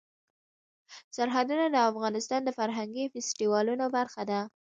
سرحدونه د افغانستان د فرهنګي فستیوالونو برخه ده.